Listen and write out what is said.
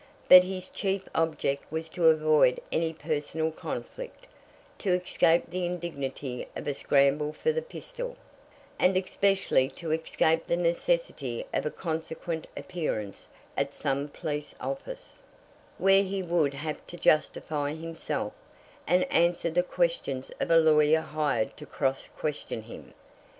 But his chief object was to avoid any personal conflict, to escape the indignity of a scramble for the pistol, and especially to escape the necessity of a consequent appearance at some police office, where he would have to justify himself, and answer the questions of a lawyer hired to cross question him.